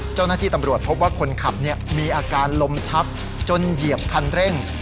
เจ้าหน้าที่ตำรวจพบว่าคนขับมีอาการลมชักจนเหยียบคันเร่ง